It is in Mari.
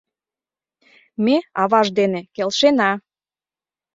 — Ме аваж дене келшена.